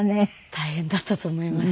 大変だったと思います